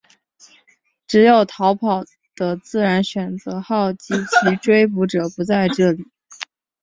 只有逃跑的自然选择号及其追捕者不在这里。